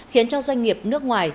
khiến cho doanh nghiệp nước ngoài